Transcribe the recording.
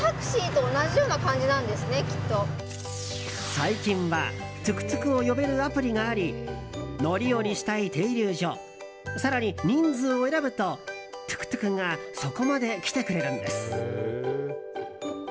最近は、トゥクトゥクを呼べるアプリがあり乗り降りしたい停留所更に人数を選ぶとトゥクトゥクがそこまで来てくれるんです。